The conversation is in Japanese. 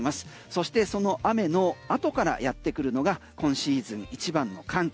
そしてその雨の後からやってくるのが今シーズン一番の寒気。